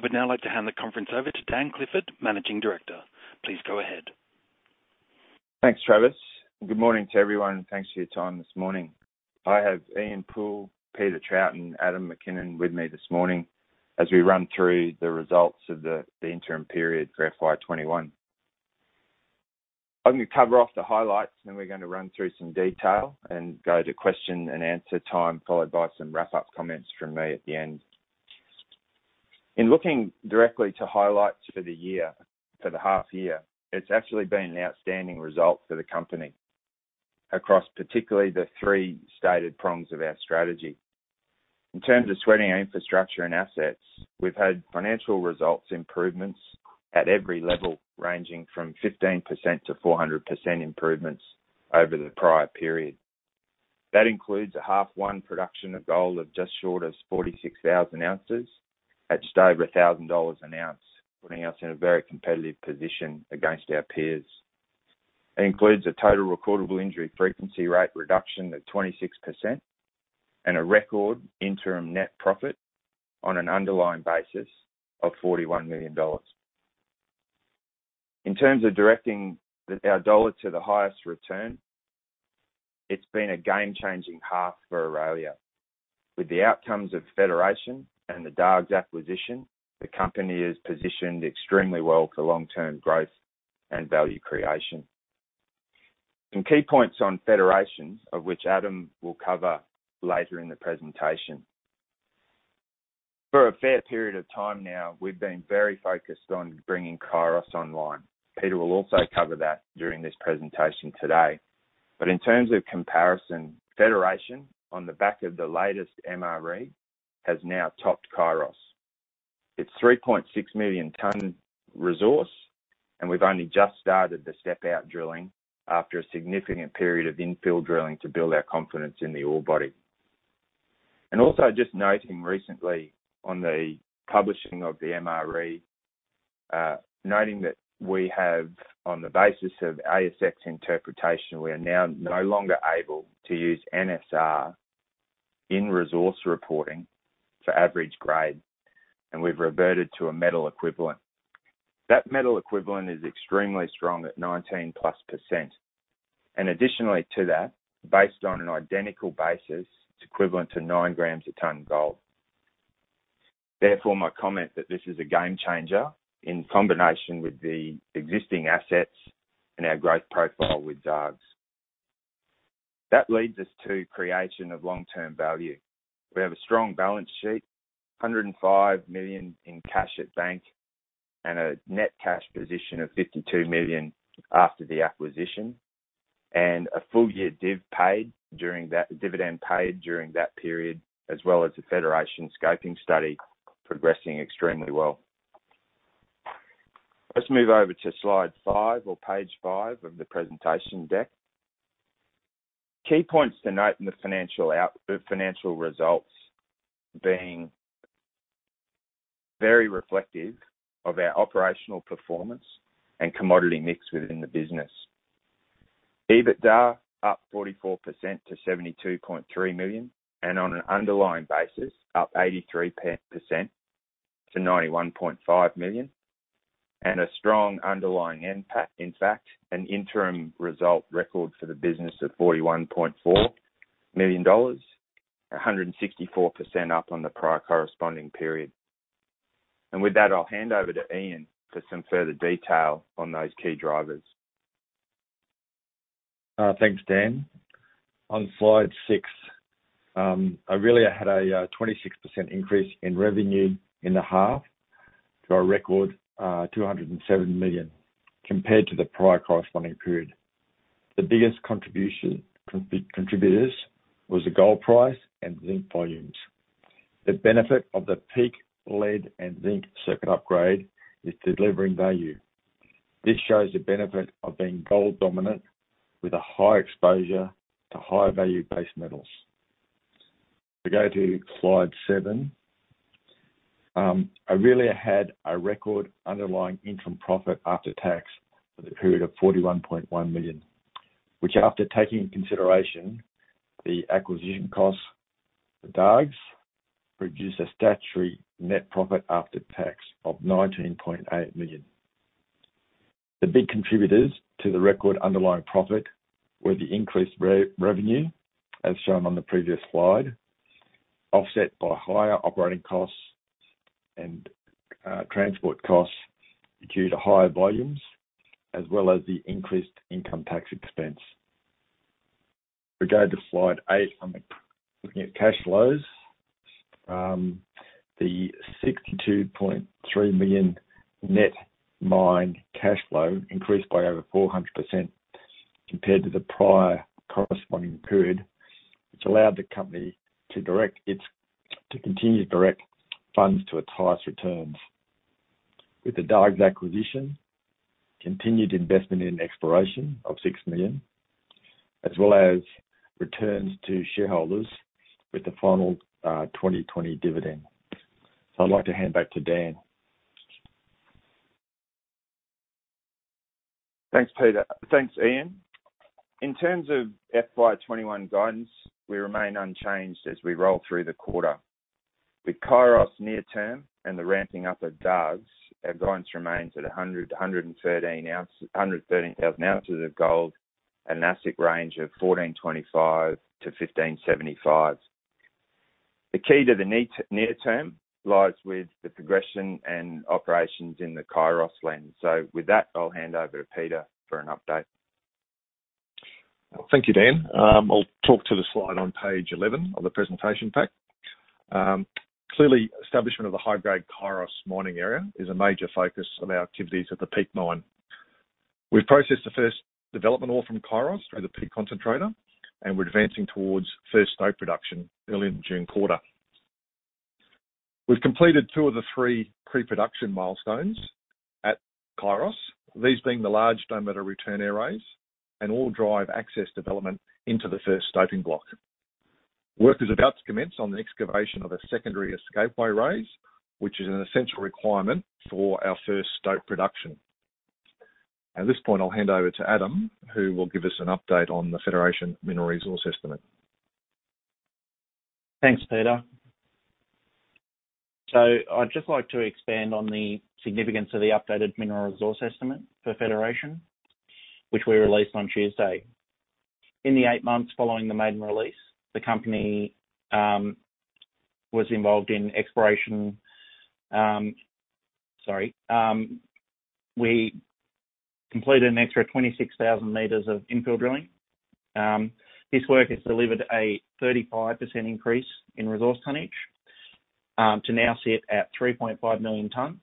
I would now like to hand the conference over to Dan Clifford, Managing Director. Please go ahead. Thanks, Travis. Good morning to everyone, and thanks for your time this morning. I have Ian Poole, Peter Trout, Adam McKinnon with me this morning as we run through the results of the interim period for FY 2021. I'm going to cover off the highlights, then we're going to run through some detail and go to question and answer time, followed by some wrap-up comments from me at the end. In looking directly to highlights for the half year, it's actually been an outstanding result for the company across particularly the three stated prongs of our strategy. In terms of sweating our infrastructure and assets, we've had financial results improvements at every level, ranging from 15%-400% improvements over the prior period. That includes a half one production of gold of just short of 46,000 oz at just over 1,000 dollars an ounce, putting us in a very competitive position against our peers. It includes a total recordable injury frequency rate reduction of 26% and a record interim net profit on an underlying basis of 41 million dollars. In terms of directing our dollar to the highest return, it's been a game-changing half for Aurelia. With the outcomes of Federation and the Dargues acquisition, the company is positioned extremely well for long-term growth and value creation. Some key points on Federation, of which Adam will cover later in the presentation. For a fair period of time now, we've been very focused on bringing Kairos online. Peter will also cover that during this presentation today. In terms of comparison, Federation, on the back of the latest MRE, has now topped Kairos. It's 3.6 million ton resource, and we've only just started the step out drilling after a significant period of infill drilling to build our confidence in the ore body. Also just noting recently on the publishing of the MRE, noting that we have on the basis of ASX interpretation, we are now no longer able to use NSR in resource reporting for average grade, and we've reverted to a metal equivalent. That metal equivalent is extremely strong at 19%+. Additionally to that, based on an identical basis, it's equivalent to nine grams a ton gold. Therefore, my comment that this is a game changer in combination with the existing assets and our growth profile with Dargues. That leads us to creation of long-term value. We have a strong balance sheet, 105 million in cash at bank, and a net cash position of 52 million after the acquisition, and a full year dividend paid during that period, as well as the Federation scoping study progressing extremely well. Let's move over to slide five or page five of the presentation deck. Key points to note in the financial results being very reflective of our operational performance and commodity mix within the business. EBITDA up 44% to 72.3 million, and on an underlying basis, up 83% to 91.5 million, and a strong underlying NPAT. In fact, an interim result record for the business at 41.4 million dollars, 164% up on the prior corresponding period. With that, I'll hand over to Ian for some further detail on those key drivers. Thanks, Dan. On slide six, Aurelia had a 26% increase in revenue in the half to a record 207 million compared to the prior corresponding period. The biggest contributors was the gold price and zinc volumes. The benefit of the Peak lead and zinc circuit upgrade is delivering value. This shows the benefit of being gold dominant with a high exposure to higher value base metals. We go to slide seven. Aurelia had a record underlying interim profit after tax for the period of 41.1 million, which after taking into consideration the acquisition costs for Dargues, produced a statutory net profit after tax of 19.8 million. The big contributors to the record underlying profit were the increased revenue, as shown on the previous slide, offset by higher operating costs and transport costs due to higher volumes, as well as the increased income tax expense. If we go to slide eight, I'm looking at cash flows. The 62.3 million net mine cash flow increased by over 400% compared to the prior corresponding period, which allowed the company to continue to direct funds to its highest returns. With the Dargues acquisition, continued investment in exploration of 6 million, as well as returns to shareholders with the final 2020 dividend. I'd like to hand back to Dan. Thanks, Ian. In terms of FY21 guidance, we remain unchanged as we roll through the quarter. With Kairos near-term and the ramping up of Dargues, our guidance remains at 113,000 oz of gold and AISC range of 1,425-1,575. The key to the near term lies with the progression and operations in the Kairos land. With that, I'll hand over to Peter for an update. Thank you, Dan. I'll talk to the slide on page 11 of the presentation pack. Clearly, establishment of the high-grade Kairos mining area is a major focus of our activities at the Peak Mine. We've processed the first development ore from Kairos through the Peak concentrator, and we're advancing towards first ore production early in the June quarter. We've completed two of the three pre-production milestones at Kairos, these being the large dome at our return airways and all drive access development into the first stoping block. Work is about to commence on the excavation of a secondary escapeway raise, which is an essential requirement for our first stop production. At this point, I'll hand over to Adam, who will give us an update on the Federation mineral resource estimate. Thanks, Peter. I'd just like to expand on the significance of the updated mineral resource estimate for Federation, which we released on Tuesday. In the eight months following the maiden release, the company was involved in exploration Sorry. We completed an extra 26,000 m of infill drilling. This work has delivered a 35% increase in resource tonnage, to now sit at 3.5 million tons,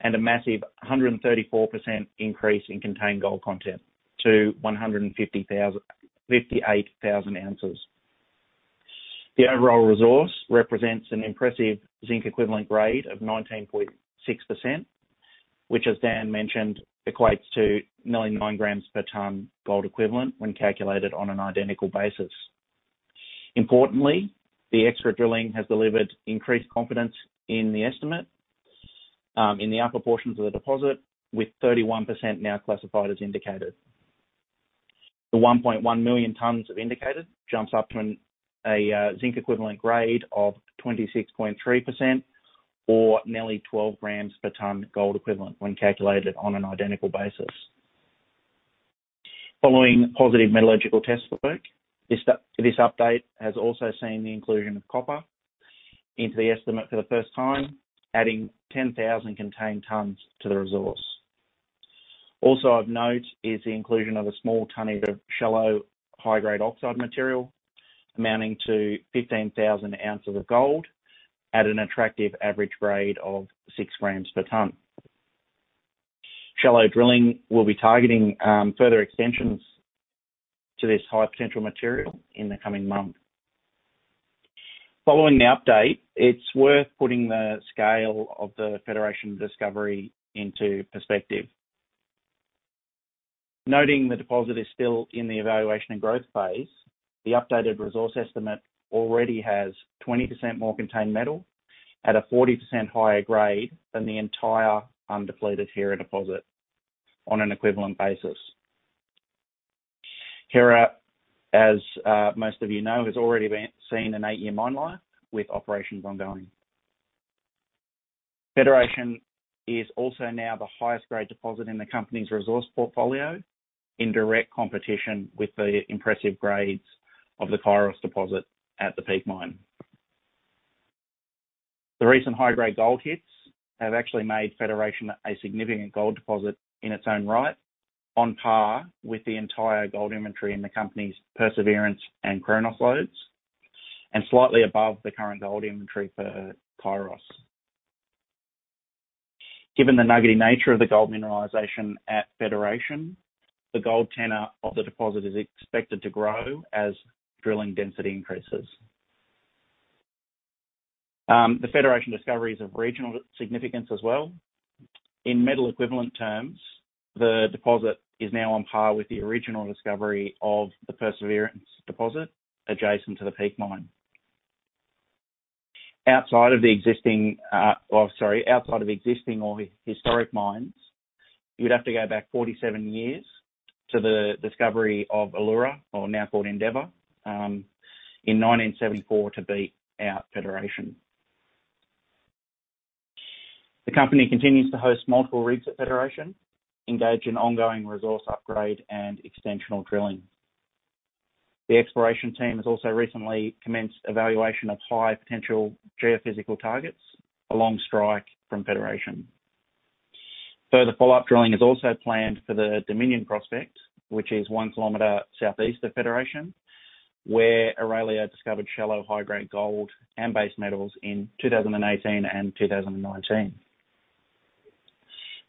and a massive 134% increase in contained gold content to 158,000 oz. The overall resource represents an impressive zinc equivalent grade of 19.6%, which, as Dan mentioned, equates to 99 g/ton gold equivalent when calculated on an identical basis. Importantly, the extra drilling has delivered increased confidence in the estimate, in the upper portions of the deposit, with 31% now classified as indicated. The 1.1 million tons of indicated jumps up to a zinc equivalent grade of 26.3%, or nearly 12 g/ton gold equivalent when calculated on an identical basis. Following positive metallurgical test work, this update has also seen the inclusion of copper into the estimate for the first time, adding 10,000 contained tons to the resource. Also of note is the inclusion of a small tonnage of shallow high-grade oxide material amounting to 15,000 oz of gold at an attractive average grade of 6 g/ton. Shallow drilling will be targeting further extensions to this high potential material in the coming month. Following the update, it's worth putting the scale of the Federation discovery into perspective. Noting the deposit is still in the evaluation and growth phase, the updated resource estimate already has 20% more contained metal at a 40% higher grade than the entire undepleted Hera deposit on an equivalent basis. Hera, as most of you know, has already seen an eight-year mine life with operations ongoing. Federation is also now the highest grade deposit in the company's resource portfolio, in direct competition with the impressive grades of the Kairos deposit at the Peak Mine. The recent high-grade gold hits have actually made Federation a significant gold deposit in its own right, on par with the entire gold inventory in the company's Perseverance and Chronos lodes, and slightly above the current gold inventory for Kairos. Given the nuggety nature of the gold mineralization at Federation, the gold tenor of the deposit is expected to grow as drilling density increases. The Federation discovery is of regional significance as well. In metal equivalent terms, the deposit is now on par with the original discovery of the Perseverance deposit adjacent to the Peak Mine. Outside of existing or historic mines, you'd have to go back 47 years to the discovery of Elura, or now called Endeavor, in 1974 to beat out Federation. The company continues to host multiple rigs at Federation, engage in ongoing resource upgrade and extensional drilling. The exploration team has also recently commenced evaluation of high-potential geophysical targets along strike from Federation. Further follow-up drilling is also planned for the Dominion prospect, which is one kilometer southeast of Federation, where Aurelia discovered shallow, high-grade gold and base metals in 2018 and 2019.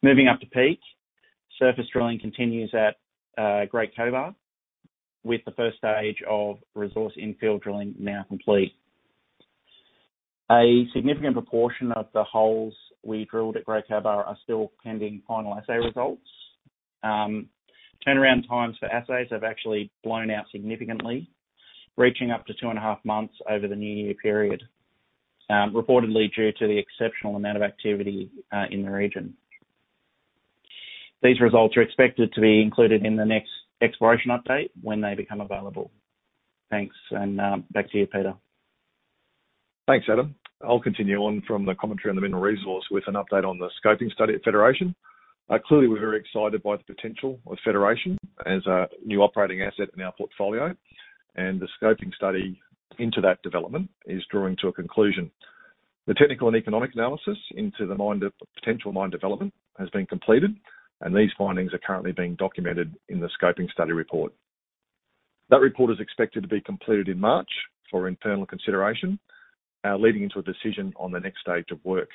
Moving up to Peak, surface drilling continues at Great Cobar, with the 1st stage of resource infill drilling now complete. A significant proportion of the holes we drilled at Great Cobar are still pending final assay results. Turnaround times for assays have actually blown out significantly, reaching up to two and a half months over the New Year period. Reportedly due to the exceptional amount of activity in the region. These results are expected to be included in the next exploration update when they become available. Thanks, and back to you, Peter. Thanks, Adam. I'll continue on from the commentary on the mineral resource with an update on the scoping study at Federation. Clearly, we're very excited by the potential of Federation as a new operating asset in our portfolio, and the scoping study into that development is drawing to a conclusion. The technical and economic analysis into the potential mine development has been completed, and these findings are currently being documented in the scoping study report. That report is expected to be completed in March for internal consideration, leading into a decision on the next stage of work.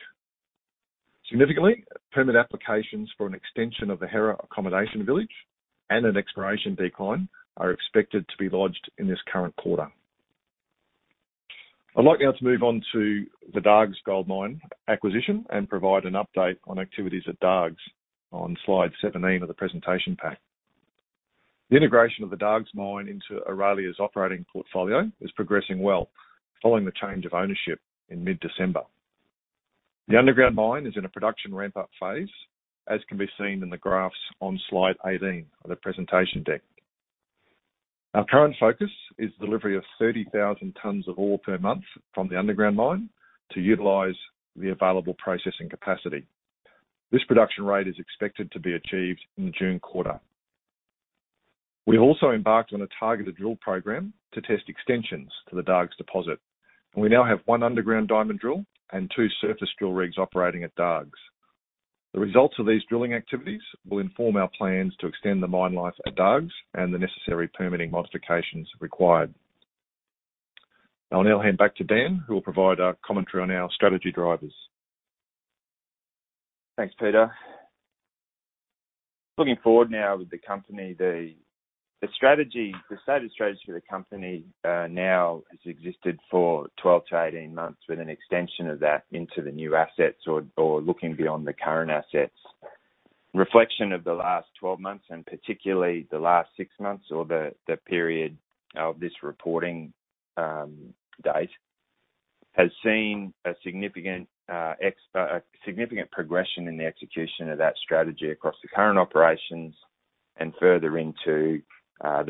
Significantly, permit applications for an extension of the Hera accommodation village and an exploration decline are expected to be lodged in this current quarter. I'd like now to move on to the Dargues Gold Mine acquisition and provide an update on activities at Dargues on slide 17 of the presentation pack. The integration of the Dargues mine into Aurelia's operating portfolio is progressing well following the change of ownership in mid-December. The underground mine is in a production ramp-up phase, as can be seen in the graphs on slide 18 of the presentation deck. Our current focus is delivery of 30,000 tons of ore per month from the underground mine to utilize the available processing capacity. This production rate is expected to be achieved in the June quarter. We have also embarked on a targeted drill program to test extensions to the Dargues deposit. We now have one underground diamond drill and two surface drill rigs operating at Dargues. The results of these drilling activities will inform our plans to extend the mine life at Dargues and the necessary permitting modifications required. I'll now hand back to Dan, who will provide a commentary on our strategy drivers. Thanks, Peter. Looking forward now with the company, the stated strategy for the company now has existed for 12-18 months with an extension of that into the new assets or looking beyond the current assets. Reflection of the last 12 months, and particularly the last six months or the period of this reporting date, has seen a significant progression in the execution of that strategy across the current operations and further into the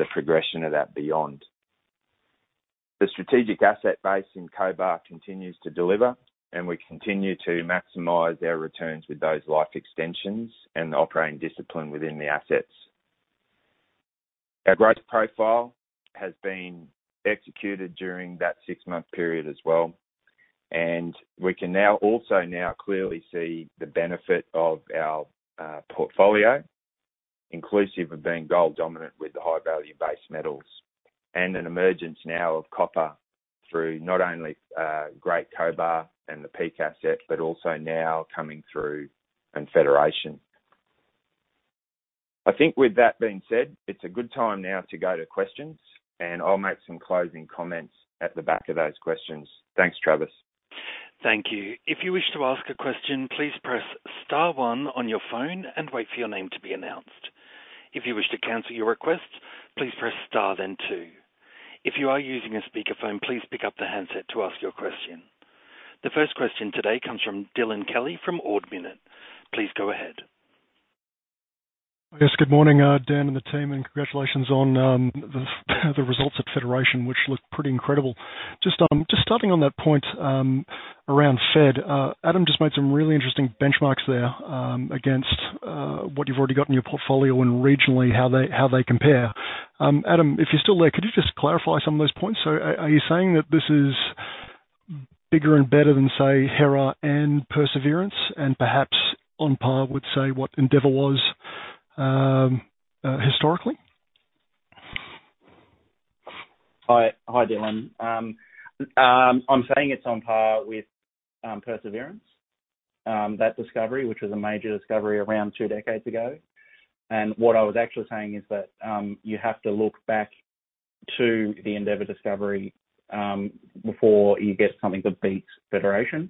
progression of that beyond. The strategic asset base in Cobar continues to deliver, and we continue to maximize our returns with those life extensions and the operating discipline within the assets. Our growth profile has been executed during that six-month period as well, and we can now also clearly see the benefit of our portfolio, inclusive of being gold dominant with the high-value base metals and an emergence now of copper through not only New Cobar and the Peak asset, but also now coming through in Federation. I think with that being said, it's a good time now to go to questions, and I'll make some closing comments at the back of those questions. Thanks, Travis. Thank you. If you wish to ask a question, please press star one on your phone and wait for your name to be announced. If you wish to cancel your request, please press star then two. If you are using a speakerphone, please pick up the handset to ask your question. The first question today comes from Dylan Kelly from Ord Minnett. Please go ahead. Yes, good morning, Dan and the team, and congratulations on the results at Federation, which look pretty incredible. Just starting on that point around Fed, Adam just made some really interesting benchmarks there, against what you've already got in your portfolio and regionally how they compare. Adam, if you're still there, could you just clarify some of those points? Are you saying that this is bigger and better than, say, Hera and Perseverance, and perhaps on par with, say, what Endeavor was historically? Hi, Dylan. I'm saying it's on par with Perseverance, that discovery, which was a major discovery around two decades ago. What I was actually saying is that you have to look back to the Endeavor discovery before you get something that beats Federation.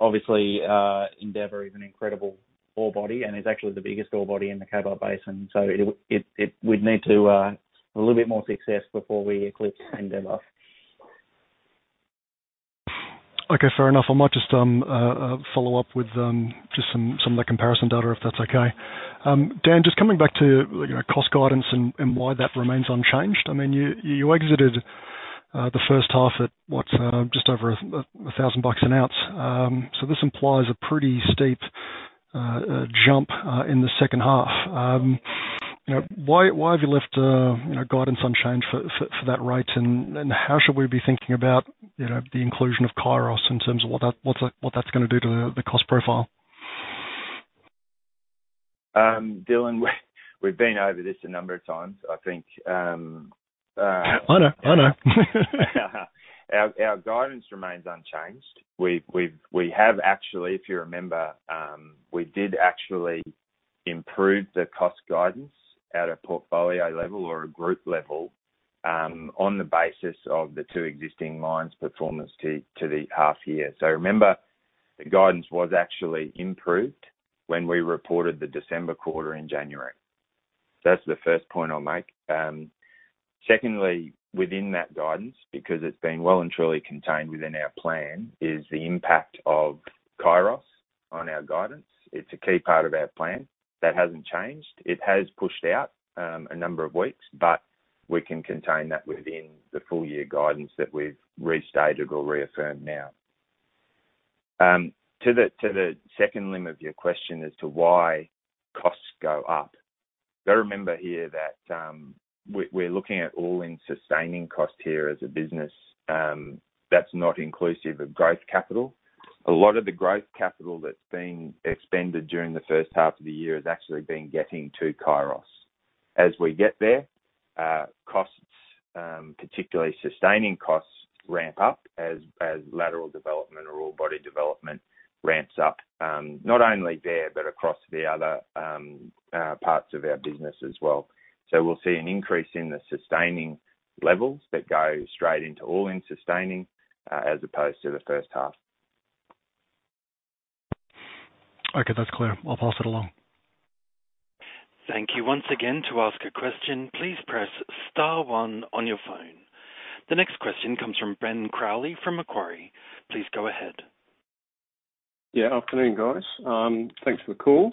Obviously, Endeavor is an incredible ore body and is actually the biggest ore body in the Cobar Basin. We'd need a little bit more success before we eclipse Endeavor. Okay, fair enough. I might just follow up with just some of the comparison data, if that's okay. Dan, just coming back to cost guidance and why that remains unchanged. I mean, you exited the first half at, what? Just over 1,000 bucks an ounce. This implies a pretty steep jump in the second half. Why have you left guidance unchanged for that rate, and how should we be thinking about the inclusion of Kairos in terms of what that's going to do to the cost profile? Dylan, we've been over this a number of times, I think. I know. I know. Our guidance remains unchanged. If you remember, we did actually improve the cost guidance at a portfolio level or a group level on the basis of the two existing mines' performance to the half year. Remember, the guidance was actually improved when we reported the December quarter in January. So that's the first point I'll make. Secondly, within that guidance, because it's been well and truly contained within our plan, is the impact of Kairos on our guidance. It's a key part of our plan. That hasn't changed. It has pushed out, a number of weeks, but we can contain that within the full year guidance that we've restated or reaffirmed now. To the second limb of your question as to why costs go up. You got to remember here that we're looking at all-in sustaining cost here as a business. That's not inclusive of growth capital. A lot of the growth capital that's been expended during the first half of the year has actually been getting to Kairos. As we get there, costs, particularly sustaining costs, ramp up as lateral development or ore body development ramps up, not only there, but across the other parts of our business as well. We'll see an increase in the sustaining levels that go straight into all-in sustaining, as opposed to the first half. Okay. That's clear. I'll pass it along. Thank you. Once again, to ask a question, please press star one on your phone. The next question comes from Ben Crowley from Macquarie. Please go ahead. Yeah. Afternoon, guys. Thanks for the call.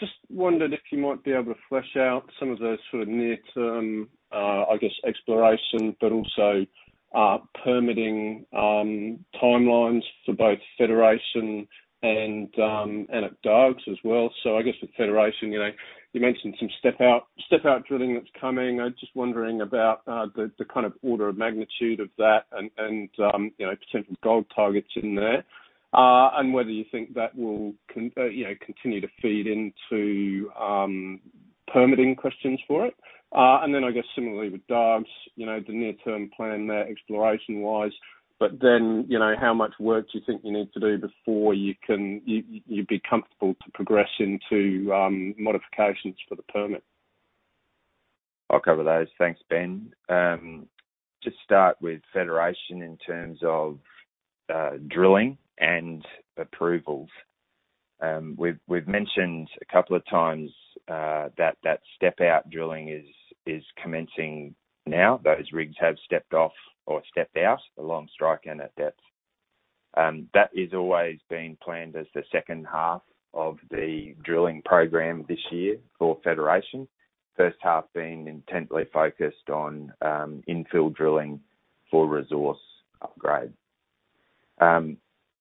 Just wondered if you might be able to flesh out some of the sort of near-term, I guess, exploration, but also permitting timelines for both Federation and at Dargues as well. I guess with Federation, you mentioned some step-out drilling that's coming. I was just wondering about the kind of order of magnitude of that and percent of gold targets in there, and whether you think that will continue to feed into permitting questions for it. I guess similarly with Dargues, the near-term plan there exploration-wise, how much work do you think you need to do before you'd be comfortable to progress into modifications for the permit? I'll cover those. Thanks, Ben. Just start with Federation in terms of drilling and approvals. We've mentioned a couple of times that step-out drilling is commencing now. Those rigs have stepped off or stepped out along strike and at depth. That is always being planned as the second half of the drilling program this year for Federation, first half being intently focused on infill drilling for resource upgrade.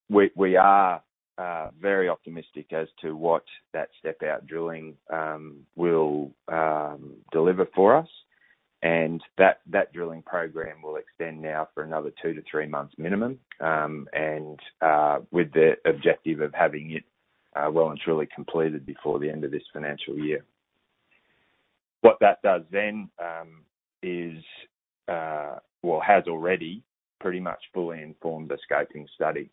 We are very optimistic as to what that step-out drilling will deliver for us. That drilling program will extend now for another two to three months minimum, with the objective of having it well and truly completed before the end of this financial year. What that does then is, well, has already pretty much fully informed the scoping study.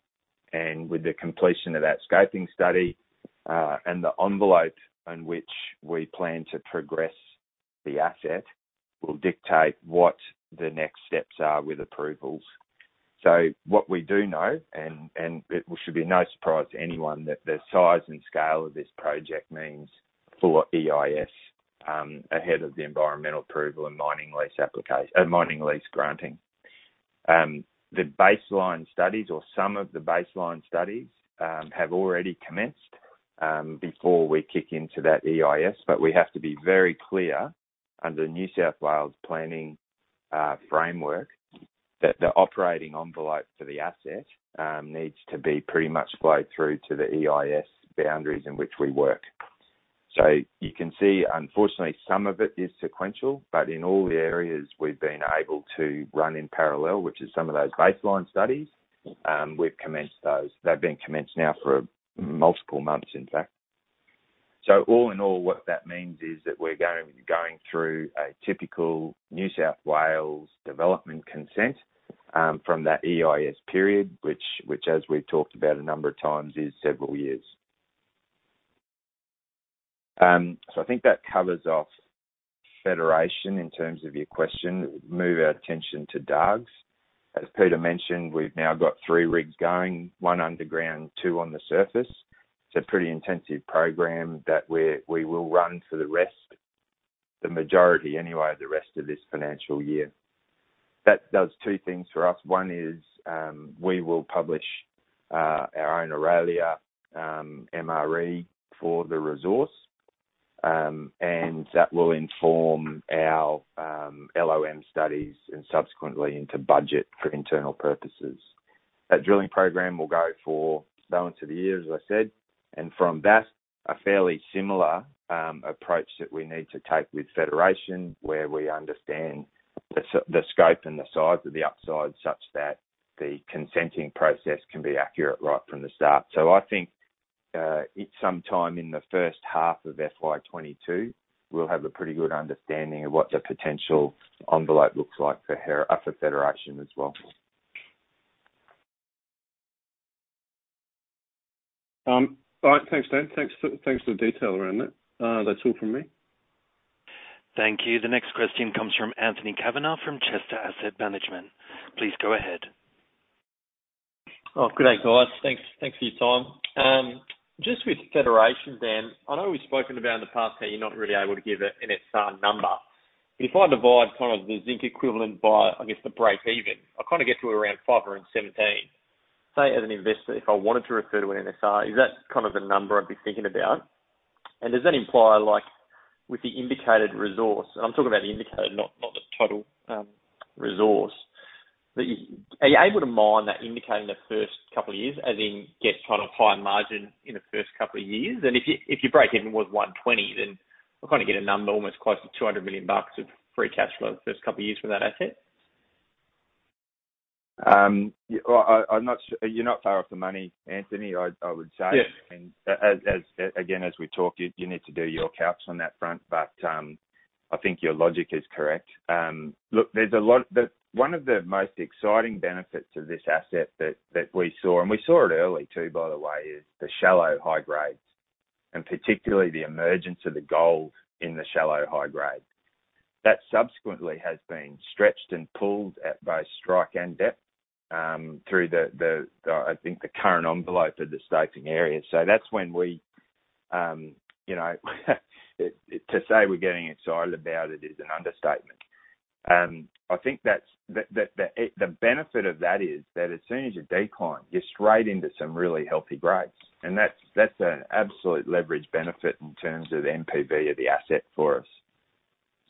With the completion of that scoping study, and the envelope in which we plan to progress the asset, will dictate what the next steps are with approvals. What we do know, and it should be no surprise to anyone that the size and scale of this project means full EIS, ahead of the environmental approval and mining lease granting. The baseline studies or some of the baseline studies have already commenced, before we kick into that EIS. We have to be very clear under New South Wales planning framework that the operating envelope for the asset needs to be pretty much flow through to the EIS boundaries in which we work. You can see unfortunately, some of it is sequential, but in all the areas we've been able to run in parallel, which is some of those baseline studies, we've commenced those. They've been commenced now for multiple months, in fact. All in all, what that means is that we're going through a typical New South Wales development consent, from that EIS period, which as we've talked about a number of times, is several years. I think that covers off Federation in terms of your question. Move our attention to Dargues. As Peter mentioned, we've now got three rigs going: one underground, two on the surface. It's a pretty intensive program that we will run for the rest, the majority anyway, the rest of this financial year. That does two things for us. One is, we will publish our own Aurelia MRE for the resource, and that will inform our LOM studies and subsequently into budget for internal purposes. That drilling program will go for the balance of the year, as I said, and from that, a fairly similar approach that we need to take with Federation, where we understand the scope and the size of the upside, such that the consenting process can be accurate right from the start. I think, it's sometime in the first half of FY 2022, we'll have a pretty good understanding of what the potential envelope looks like for Federation as well. All right. Thanks, Dan. Thanks for the detail around that. That is all from me. Thank you. The next question comes from Anthony Kavanagh from Chester Asset Management. Please go ahead. Good day, guys. Thanks for your time. With Federation, I know we've spoken about in the past how you're not really able to give an NSR number. If I divide the zinc equivalent by, I guess, the break-even, I get to around 517. Say, as an investor, if I wanted to refer to an NSR, is that the number I'd be thinking about? Does that imply, with the indicated resource, and I'm talking about the indicated not the total resource. Are you able to mine that indicated in the first couple of years, as in get high margin in the first couple of years? If your break-even was 120, then I get a number almost close to 200 million bucks of free cash flow the first couple of years from that asset. You're not far off the money, Anthony, I would say. As we talk, you need to do your calcs on that front, but I think your logic is correct. One of the most exciting benefits of this asset that we saw, and we saw it early too, by the way, is the shallow high grades, and particularly the emergence of the gold in the shallow high grade. That subsequently has been stretched and pulled at both strike and depth through the, I think, the current envelope for the staking area. To say we're getting excited about it is an understatement. I think the benefit of that is that as soon as you decline, you're straight into some really healthy grades. That's an absolute leverage benefit in terms of NPV of the asset for us.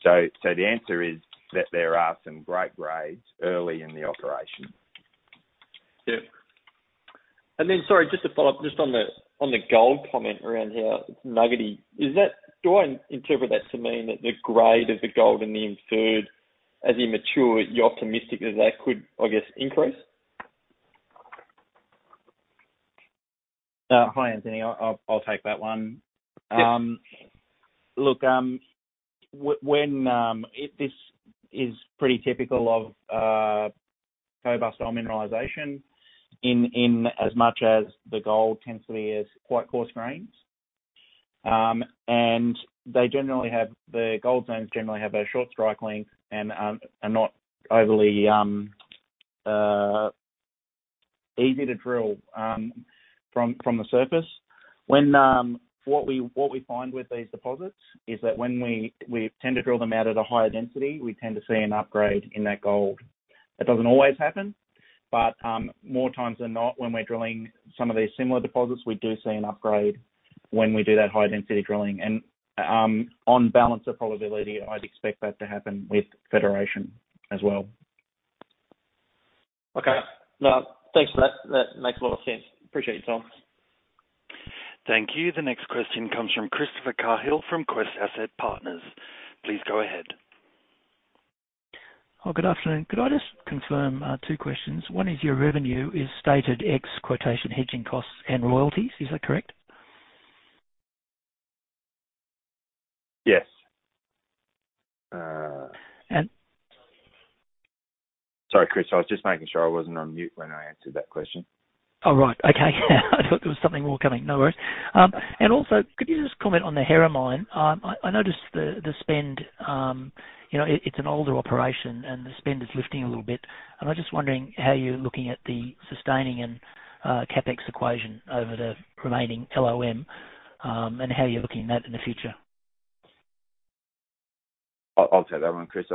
The answer is that there are some great grades early in the operation. Yeah. Then, sorry, just to follow up just on the gold comment around how it's nuggety. Do I interpret that to mean that the grade of the gold in the inferred, as you mature it, you're optimistic that that could, I guess, increase? Hi, Anthony. I'll take that one. This is pretty typical of robust ore mineralization in as much as the gold tends to be as quite coarse grains. The gold zones generally have a short strike length and are not overly easy to drill from the surface. What we find with these deposits is that when we tend to drill them out at a higher density, we tend to see an upgrade in that gold. That doesn't always happen. More times than not, when we're drilling some of these similar deposits, we do see an upgrade when we do that high-density drilling. On balance of probability, I'd expect that to happen with Federation as well. Okay. No, thanks for that. That makes a lot of sense. Appreciate your time. Thank you. The next question comes from Chris Cahill from Quest Asset Partners. Please go ahead. Oh, good afternoon. Could I just confirm two questions? One is your revenue is stated ex quotation hedging costs and royalties. Is that correct? Yes. Sorry, Chris, I was just making sure I wasn't on mute when I answered that question. Oh, right. Okay. I thought there was something more coming. No worries. Also, could you just comment on the Hera mine? I noticed the spend. It's an older operation and the spend is lifting a little bit, and I'm just wondering how you're looking at the sustaining and CapEx equation over the remaining LOM, and how you're looking at that in the future. I'll take that one, Chris.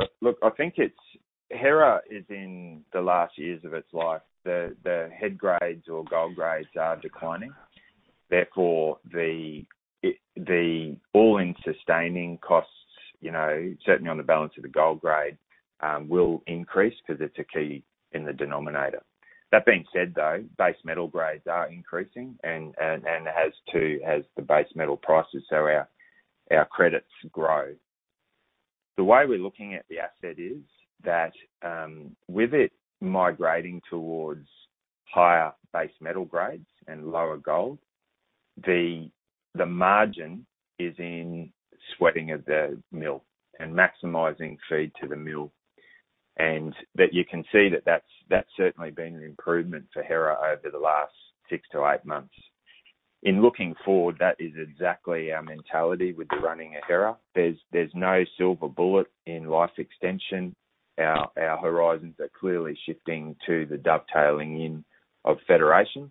Hera is in the last years of its life. The head grades or gold grades are declining. Therefore, the all-in sustaining costs, certainly on the balance of the gold grade, will increase because it's a key in the denominator. That being said, though, base metal grades are increasing, and as too has the base metal prices, so our credits grow. The way we're looking at the asset is that with it migrating towards higher base metal grades and lower gold, the margin is in sweating of the mill and maximizing feed to the mill. That you can see that that's certainly been an improvement for Hera over the last six to eight months. In looking forward, that is exactly our mentality with the running of Hera. There's no silver bullet in life extension. Our horizons are clearly shifting to the dovetailing in of Federation.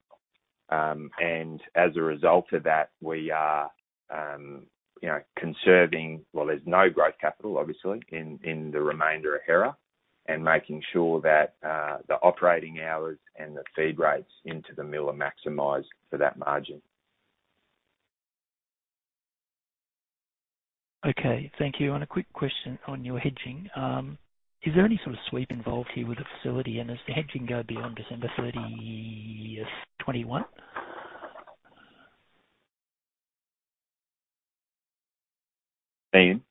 As a result of that, we are conserving. Well, there's no growth capital, obviously, in the remainder of Hera, and making sure that the operating hours and the feed rates into the mill are maximized for that margin. Okay, thank you. A quick question on your hedging. Is there any sort of sweep involved here with the facility and does the hedging go beyond December 30th, 2021? Ian?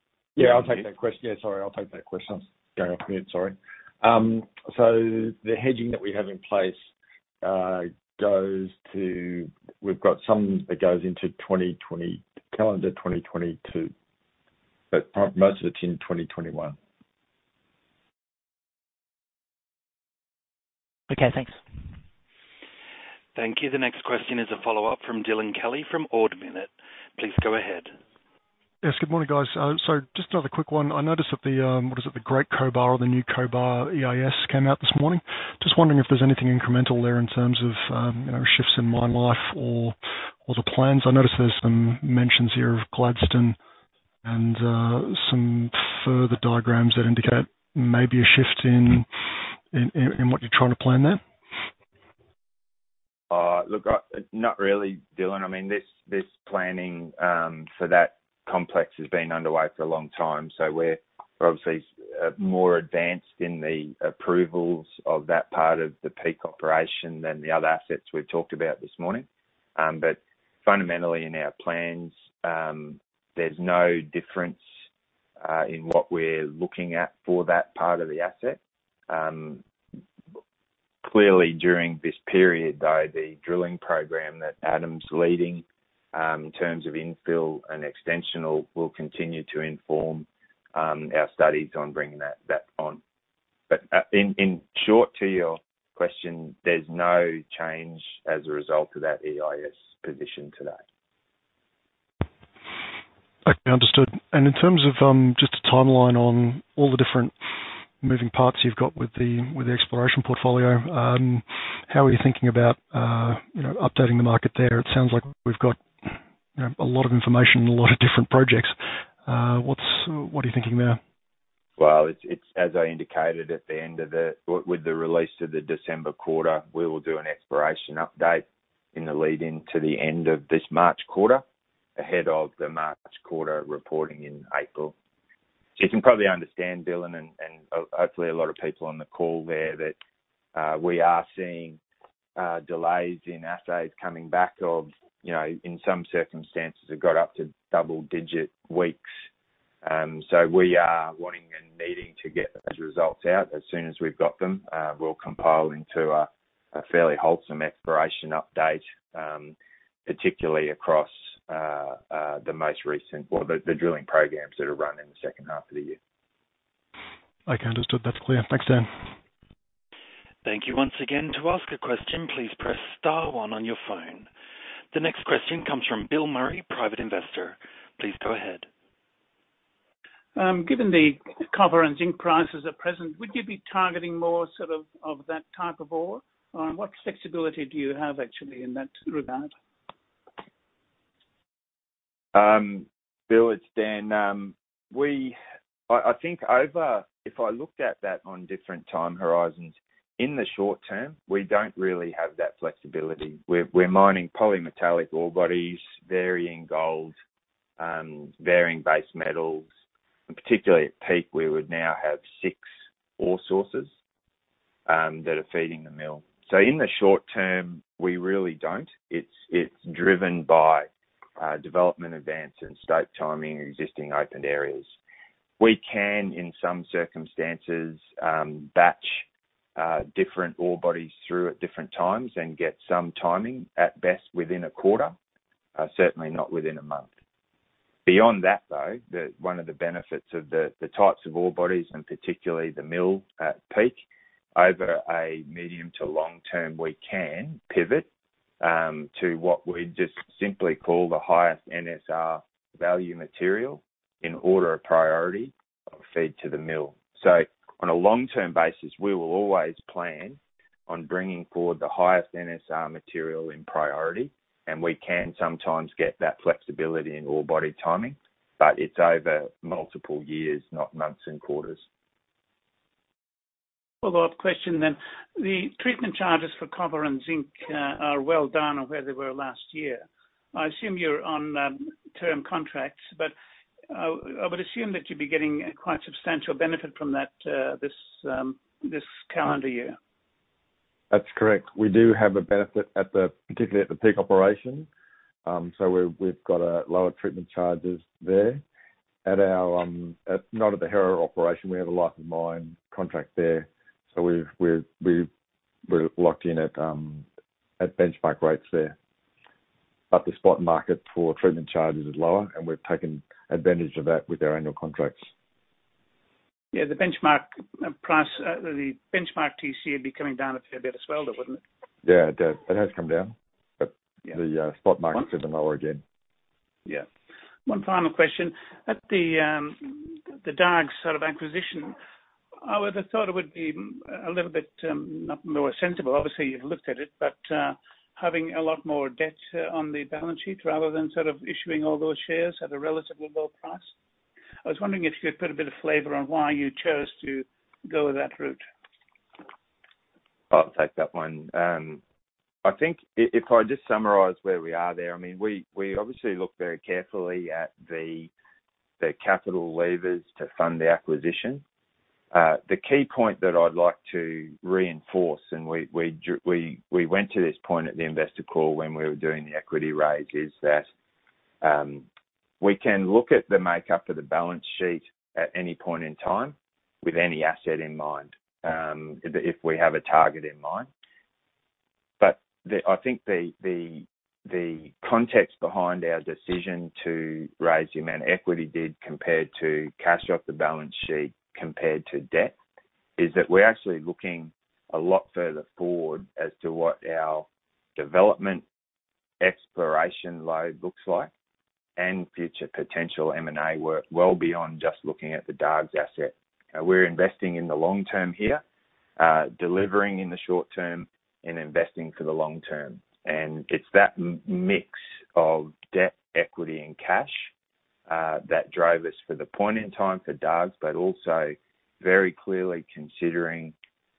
I'll take that question. I was going off mute, sorry. The hedging that we have in place goes to, we've got some that goes into calendar 2022, but most of it's in 2021. Okay, thanks. Thank you. The next question is a follow-up from Dylan Kelly from Ord Minnett. Please go ahead. Yes. Good morning, guys. Just another quick one. I noticed that the, what is it? The Great Cobar or the New Cobar EIS came out this morning. Just wondering if there's anything incremental there in terms of shifts in mine life or the plans. I noticed there's some mentions here of Gladstone and some further diagrams that indicate maybe a shift in what you're trying to plan there. Look, not really, Dylan. This planning for that complex has been underway for a long time. We're obviously more advanced in the approvals of that part of the Peak operation than the other assets we've talked about this morning. Fundamentally in our plans, there's no difference in what we're looking at for that part of the asset. Clearly, during this period, though, the drilling program that Adam's leading, in terms of infill and extensional, will continue to inform our studies on bringing that on. In short to your question, there's no change as a result of that EIS position today. Okay, understood. In terms of just a timeline on all the different moving parts you've got with the exploration portfolio, how are you thinking about updating the market there? It sounds like we've got a lot of information and a lot of different projects. What are you thinking there? Well, as I indicated at the end of with the release of the December quarter, we will do an exploration update in the lead-in to the end of this March quarter, ahead of the March quarter reporting in April. You can probably understand, Dylan, and hopefully a lot of people on the call there that we are seeing delays in assays coming back of, in some circumstances have got up to double-digit weeks. We are wanting and needing to get those results out as soon as we've got them. We'll compile into a fairly wholesome exploration update, particularly across the most recent or the drilling programs that are run in the second half of the year. Okay, understood. That's clear. Thanks, Dan. Thank you once again. To ask a question, please press star one on your phone. The next question comes from Bill Murray, private investor. Please go ahead. Given the copper and zinc prices at present, would you be targeting more sort of that type of ore? What flexibility do you have actually in that regard? Bill, it's Dan. I think over, if I looked at that on different time horizons, in the short term, we don't really have that flexibility. We're mining polymetallic ore bodies, varying gold, varying base metals, particularly at Peak, we would now have six ore sources that are feeding the mill. In the short term, we really don't. It's driven by development advance and scope timing existing open areas. We can, in some circumstances, batch different ore bodies through at different times and get some timing at best within a quarter, certainly not within a month. Beyond that, though, one of the benefits of the types of ore bodies and particularly the mill at Peak over a medium to long term, we can pivot to what we just simply call the highest NSR value material in order of priority of feed to the mill. On a long-term basis, we will always plan on bringing forward the highest NSR material in priority, and we can sometimes get that flexibility in ore body timing, but it’s over multiple years, not months and quarters. Follow-up question then. The treatment charges for copper and zinc are well down on where they were last year. I assume you're on term contracts, but I would assume that you'd be getting a quite substantial benefit from that this calendar year. That's correct. We do have a benefit particularly at the Peak operation. We've got lower treatment charges there. Not at the Hera operation, we have a life of mine contract there. We're locked in at benchmark rates there. The spot market for treatment charges is lower, and we've taken advantage of that with our annual contracts. Yeah, the benchmark price, the benchmark TC would be coming down a fair bit as well, though, wouldn't it? Yeah, it does. It has come down. The spot market should be lower again. Yeah. One final question. At the Dargues sort of acquisition, I would have thought it would be a little bit, not more sensible, obviously, you've looked at it, but having a lot more debt on the balance sheet rather than sort of issuing all those shares at a relatively low price. I was wondering if you could put a bit of flavor on why you chose to go that route. I'll take that one. I think if I just summarize where we are there, we obviously look very carefully at the capital levers to fund the acquisition. The key point that I'd like to reinforce, and we went to this point at the investor call when we were doing the equity raise, is that we can look at the makeup of the balance sheet at any point in time with any asset in mind, if we have a target in mind. I think the context behind our decision to raise the amount of equity did compared to cash off the balance sheet compared to debt is that we're actually looking a lot further forward as to what our development exploration load looks like and future potential M&A work well beyond just looking at the Dargues asset. We're investing in the long term here, delivering in the short term and investing for the long term. It's that mix of debt, equity, and cash that drove us for the point in time for Dargues, but also very clearly considering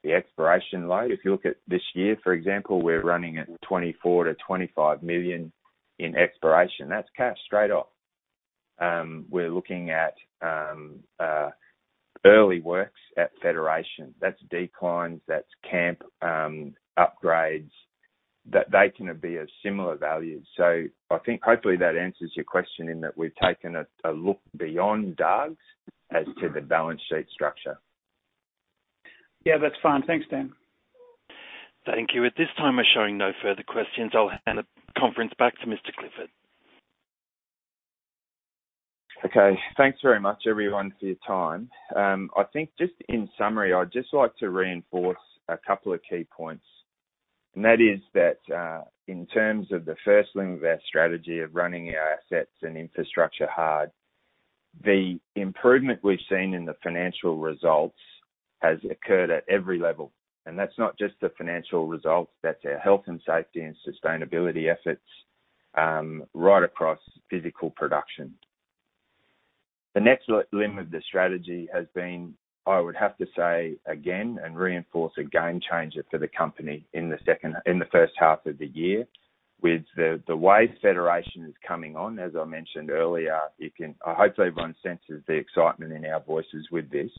the exploration load. If you look at this year, for example, we're running at 24 million-25 million in exploration. That's cash straight off. We're looking at early works at Federation. That's declines, that's camp upgrades. They can be of similar value. I think hopefully that answers your question in that we've taken a look beyond Dargues as to the balance sheet structure. Yeah, that's fine. Thanks, Dan. Thank you. At this time, we're showing no further questions. I'll hand the conference back to Mr Clifford. Okay. Thanks very much, everyone, for your time. I think just in summary, I'd just like to reinforce a couple of key points, and that is that, in terms of the first limb of our strategy of running our assets and infrastructure hard, the improvement we've seen in the financial results has occurred at every level. That's not just the financial results, that's our health and safety and sustainability efforts, right across physical production. The next limb of the strategy has been, I would have to say again and reinforce, a game changer for the company in the first half of the year with the way Federation is coming on, as I mentioned earlier. I hope everyone senses the excitement in our voices with this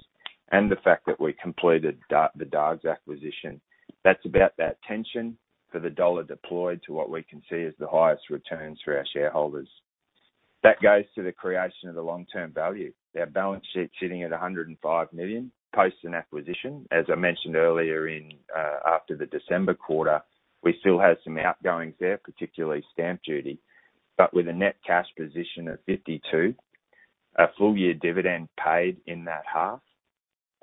and the fact that we completed the Dargues acquisition. That's about that tension for the dollar deployed to what we can see as the highest returns for our shareholders. That goes to the creation of the long-term value. Our balance sheet sitting at 105 million post an acquisition. As I mentioned earlier after the December quarter, we still have some outgoings there, particularly stamp duty. With a net cash position of 52, a full year dividend paid in that half,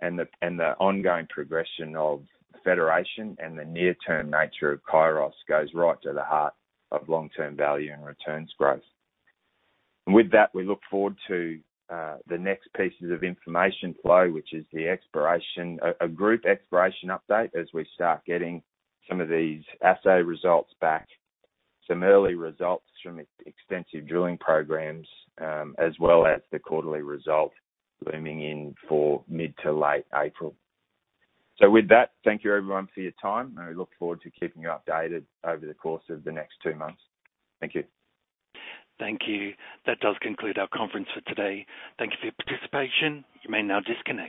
and the ongoing progression of Federation and the near-term nature of Kairos goes right to the heart of long-term value and returns growth. With that, we look forward to the next pieces of information flow, which is the exploration, a group exploration update as we start getting some of these assay results back, some early results from extensive drilling programs, as well as the quarterly result looming in for mid to late April. With that, thank you, everyone, for your time. We look forward to keeping you updated over the course of the next two months. Thank you. Thank you. That does conclude our conference for today. Thank you for your participation. You may now disconnect.